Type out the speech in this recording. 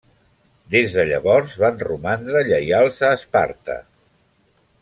Des de llavors van romandre lleials a Esparta.